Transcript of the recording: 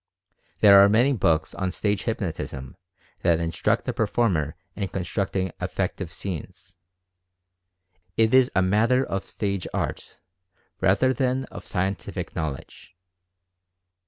There are many books on Stage Hypnotism that in struct the performer in constructing "effective scenes." It is a matter of stage art, rather than of scientific knowledge.